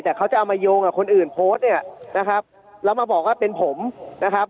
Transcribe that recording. แต่เขาจะเอามาโยงกับคนอื่นโพสต์เนี่ยนะครับแล้วมาบอกว่าเป็นผมนะครับ